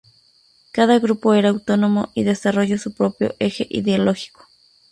Cada grupo era autónomo y desarrolla su propio eje ideológico.